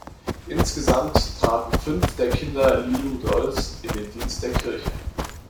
Insgesamt traten fünf der Kinder Liudolfs in den Dienst der Kirche.